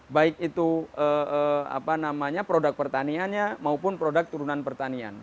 baik itu produk pertaniannya maupun produk turunan pertanian